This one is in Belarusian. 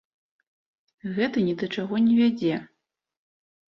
Гэта ні да чаго не вядзе.